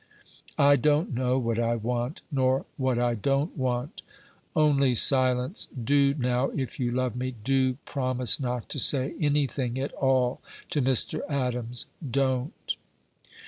"I don't know what I want, nor what I don't want; only, Silence, do now, if you love me, do promise not to say any thing at all to Mr. Adams don't."